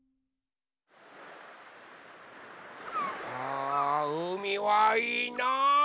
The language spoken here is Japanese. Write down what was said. あうみはいいな！